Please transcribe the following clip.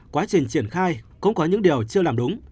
quá trình triển khai cũng có những điều chưa làm đúng